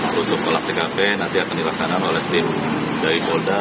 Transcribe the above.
terus untuk kolam tkp nanti akan dilaksanakan oleh tim dari sud